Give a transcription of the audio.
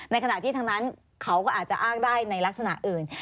ขณะที่ทั้งนั้นเขาก็อาจจะอ้างได้ในลักษณะอื่น